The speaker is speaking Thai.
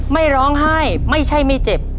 ไม่ร้องไห้ไม่ใช่ไม่เจ็บ